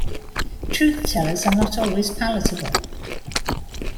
Truth-tellers are not always palatable.